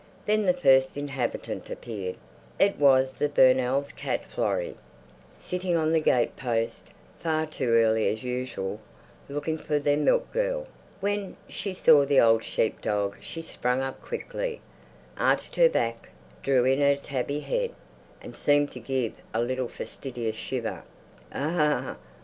Then the first inhabitant appeared; it was the Burnells' cat Florrie, sitting on the gatepost, far too early as usual, looking for their milk girl. When she saw the old sheep dog she sprang up quickly, arched her back, drew in her tabby head, and seemed to give a little fastidious shiver. "Ugh!